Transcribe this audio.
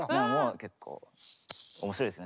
結構面白いですね